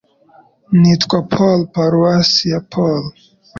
Nitwa Paul, Paruwasi ya Paul.